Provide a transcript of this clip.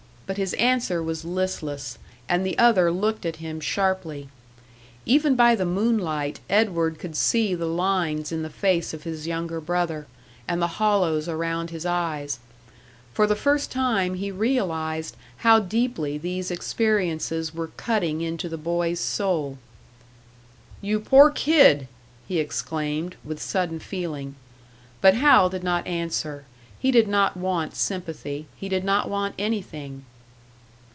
But his answer was listless, and the other looked at him sharply. Even by the moonlight Edward could see the lines in the face of his younger brother, and the hollows around his eyes. For the first time he realised how deeply these experiences were cutting into the boy's soul. "You poor kid!" he exclaimed, with sudden feeling. But Hal did not answer; he did not want sympathy, he did not want anything!